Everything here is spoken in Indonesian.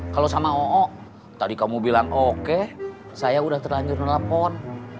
kalau sama oo tadi kamu bilang oke saya udah terlanjur nelfon